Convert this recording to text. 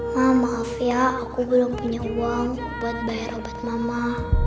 maaf ya aku belum punya uang buat bayar obat mama